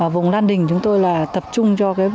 vùng lan đình chúng tôi là tập trung cho